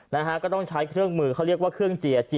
นะฮะก็ต้องใช้เครื่องมือเขาเรียกว่าเครื่องเจียจี